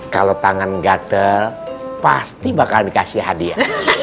kalau tangan gatel pasti bakal dikasih hadiah